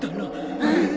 うん。